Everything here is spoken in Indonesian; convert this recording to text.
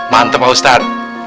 mantep pak ustadz